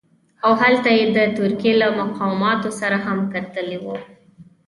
او هلته یې د ترکیې له مقاماتو سره هم کتلي وو.